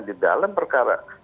di dalam perkara